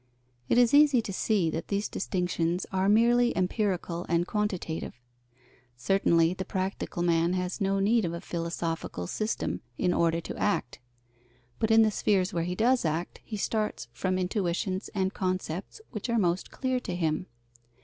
It is easy to see that these distinctions are merely empirical and quantitative. Certainly, the practical man has no need of a philosophical system in order to act, but in the spheres where he does act, he starts from intuitions and concepts which are most clear to him.